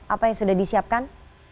apa yang sudah disiapkan